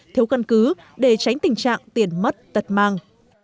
thiếu căn cứ để tránh tình trạng tiền mất tật mang